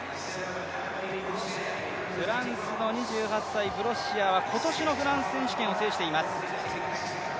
フランスの２８歳、ブロッシアーは今年のフランス選手権を制しています。